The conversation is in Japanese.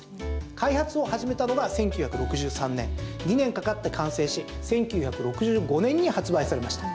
開発を始めたのが１９６３年２年かかって完成し１９６５年に発売されました。